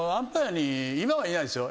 今はいないですよ。